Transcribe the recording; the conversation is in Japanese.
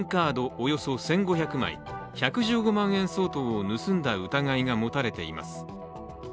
およそ１５００枚、１１５万円相当を盗んだ疑いが持たれています。